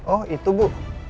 oh itu bu